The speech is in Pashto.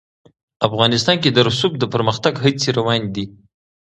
افغانستان کې د رسوب د پرمختګ هڅې روانې دي.